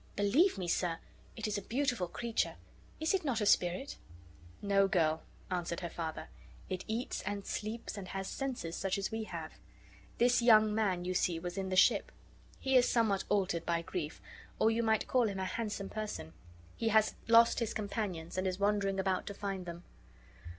Believe me, sir, it is a beautiful creature. Is it not a spirit?" "No, girl," answered her father; "it eats, and sleeps, and has senses such as we have. This young man you see was in the ship. He is somewhat altered by grief, or you might call him a handsome person. He has lost his companions, and is wandering about to find them."